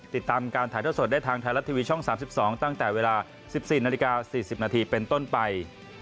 ติดตามการถ่ายท่อสดได้ทางไทยรัฐทีวีช่อง๓๒ตั้งแต่เวลา๑๔นาฬิกา๔๐นาทีเป็นต้นไป